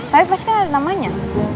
tapi pasti ada namanya